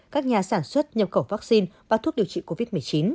các nhà sản xuất nhập khẩu vaccine và thuốc điều trị covid một mươi chín